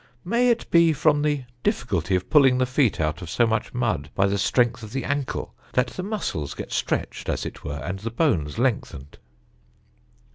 May it be from the difficulty of pulling the feet out of so much mud by the strength of the ankle, that the muscles get stretched, as it were, and the bones lengthened?"